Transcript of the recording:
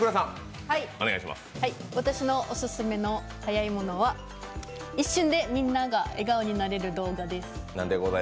私のオススメのはやいものは、一瞬でみんなが笑顔になれる動画です。